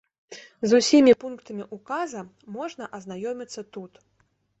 З усімі пунктамі ўказа можна азнаёміцца тут.